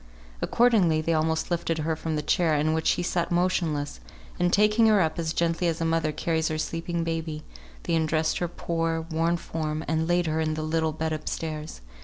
Accordingly they almost lifted her from the chair in which she sat motionless, and taking her up as gently as a mother carries her sleeping baby, they undressed her poor, worn form, and laid her in the little bed up stairs.